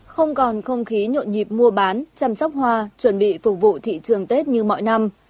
không còn không khí nhộn nhịp mua bán chăm sóc hoa chuẩn bị phục vụ thị trường tết như mọi năm